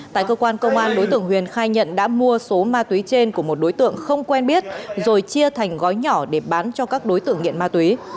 tại cơ quan công an đối tượng huyền khai nhận đã mua số ma túy trên của một đối tượng không quen biết rồi chia thành gói nhỏ để bán cho các đối tượng nghiện ma túy